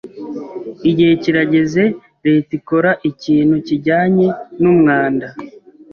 Igihe kirageze leta ikora ikintu kijyanye n’umwanda.